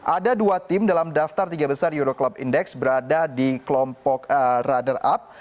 ada dua tim dalam daftar tiga besar euro club index berada di kelompok runner up